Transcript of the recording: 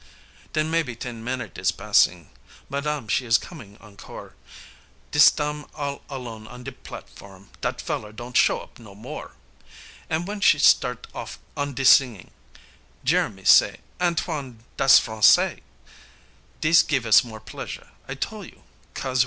Den mebbe ten minute is passin', Ma dam she is comin' encore, Dis tam all alone on de platform, dat feller don't show up no more, An' w'en she start off on de singin' Jeremie say, "Antoine, dat's Français," Dis give us more pleasure, I tole you, 'cos w'y?